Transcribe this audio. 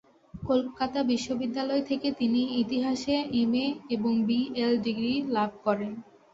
কলকাতা বিশ্ববিদ্যালয় থেকে তিনি ইতিহাসে এম.এ এবং বি.এল ডিগ্রি লাভ করেন।